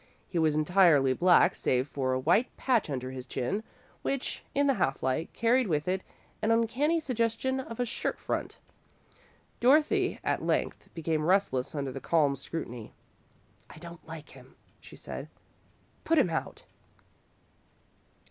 He was entirely black, save for a white patch under his chin, which, in the half light, carried with it an uncanny suggestion of a shirt front. Dorothy at length became restless under the calm scrutiny. "I don't like him," she said. "Put him out."